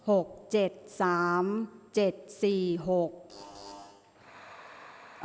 ออกรางวัลที่๖เลขที่๗